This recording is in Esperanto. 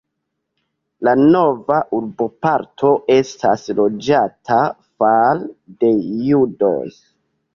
La nova urboparto estas loĝata fare de judoj.